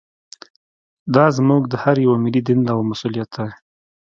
دا زموږ د هر یوه ملي دنده او مسوولیت دی